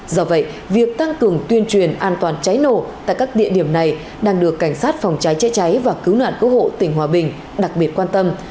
do vậy việc tăng cường tuyên truyền an toàn cháy nổ tại các địa điểm này đang được cảnh sát phòng cháy chế cháy và cứu nạn cứu hộ tỉnh hòa bình đặc biệt quan tâm